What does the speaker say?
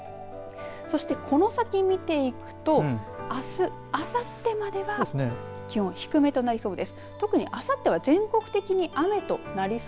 そして、この先を見ていくとあす、あさってまでは気温、低めとなりそうです。